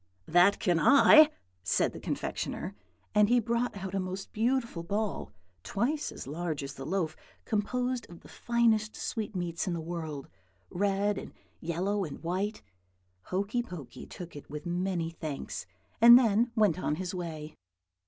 "'That can I!' said the confectioner; and he brought out a most beautiful ball, twice as large as the loaf, composed of the finest sweetmeats in the world, red and yellow and white. Hokey Pokey took it with many thanks, and then went on his way.